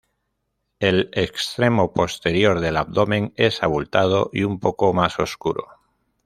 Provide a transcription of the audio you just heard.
El extremo posterior del abdomen es abultado y un poco más oscuro.